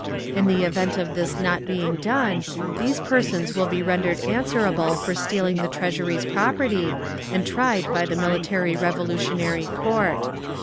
In the event of this not being done, these persons will be rendered answerable for stealing the Treasury's property and tried by the Military Revolutionary Court.